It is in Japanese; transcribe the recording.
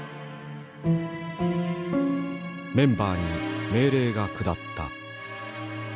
メンバーに命令が下った。